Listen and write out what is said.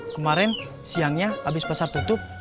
kemarin siangnya habis pasar tutup